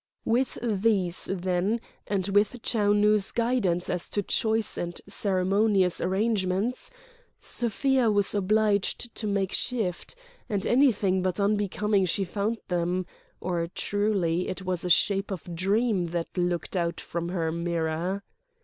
With these, then, and with Chou Nu's guidance as to choice and ceremonious arrangement, Sofia was obliged to make shift; and anything but unbecoming she found them—or truly it was a shape of dream that looked out from her mirror.